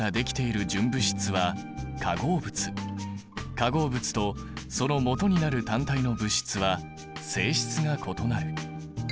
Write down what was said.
化合物とそのもとになる単体の物質は性質が異なる。